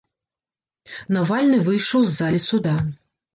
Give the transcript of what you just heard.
Навальны выйшаў з залі суда.